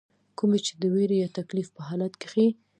کومي چې د ويرې يا تکليف پۀ حالت کښې